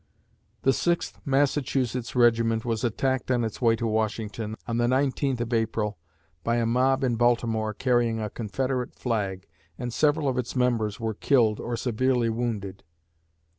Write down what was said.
The Sixth Massachusetts regiment was attacked on its way to Washington, on the 19th of April, by a mob in Baltimore, carrying a Confederate flag, and several of its members were killed or severely wounded.